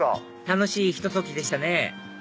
楽しいひと時でしたね